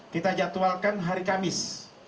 kita jadwalkan hari kamis